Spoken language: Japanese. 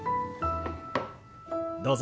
どうぞ。